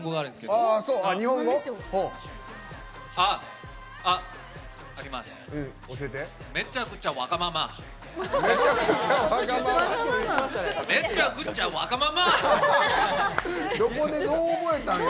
どこでどう覚えたんや。